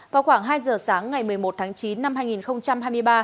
vào khoảng hai giờ sáng ngày một mươi một tháng chín năm hai nghìn hai mươi ba